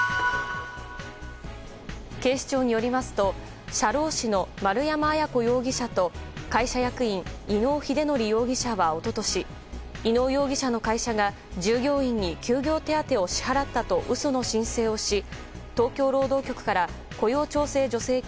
警視庁によりますと社労士の丸山文子容疑者と会社役員、伊能英徳容疑者はおととし伊能容疑者の会社が従業員に休業手当を支払ったと嘘の申請をし東京労働局から雇用調整助成金